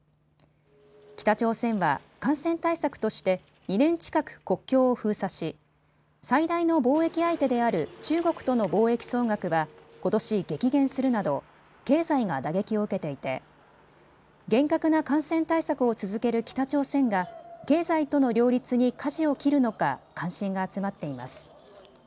北朝鮮は感染対策として２年近く国境を封鎖し最大の貿易相手である中国との貿易総額はことし激減するなど経済が打撃を受けていて厳格な感染対策を続ける北朝鮮が経済との両立にかじを切るのか関心が集まっています。